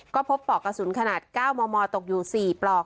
ก็พบปลอกกระสุนขนาด๙มมตกอยู่๔ปลอก